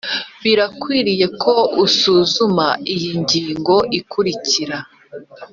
Birakwiriye ko usuzuma iyi ngingo ikurikira